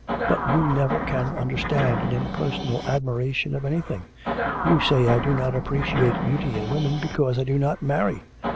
But you never can understand an impersonal admiration for anything. You say I do not appreciate beauty in women because I do not marry.